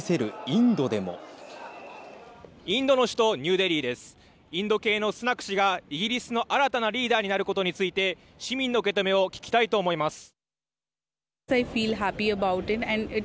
インド系のスナク氏がイギリスの新たなリーダーになることについて市民の受け止めを聞きたいと思います。